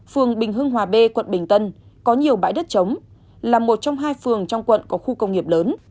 phường bình hưng hòa b quận bình tân có nhiều bãi đất chống là một trong hai phường trong quận có khu công nghiệp lớn